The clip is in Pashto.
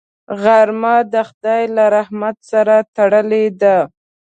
غرمه د خدای له رحمت سره تړلې ده